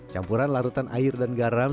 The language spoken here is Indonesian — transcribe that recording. campuran larutan air dan garam